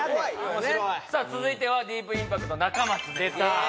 おもしろいさあ続いてはディープインパクト仲松出た！